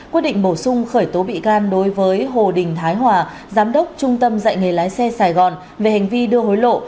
quyết định bổ sung khởi tố bị can đối với hồ đình thái hòa giám đốc trung tâm dạy nghề lái xe sài gòn về hành vi đưa hối lộ